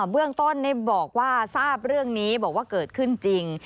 เบื้องต้นบอกว่าทราบเรื่องนี้บอกว่าเกิดขึ้นจริง